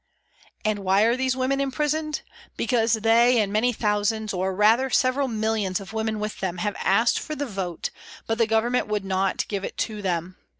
And why are these women imprisoned ? Because they and many thousands, or rather several millions, of women with them, have asked for the vote, but the Government would not give it to them.